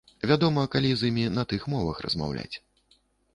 Вядома, калі з імі на тых мовах размаўляць.